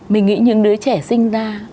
mình nghĩ những đứa trẻ sinh ra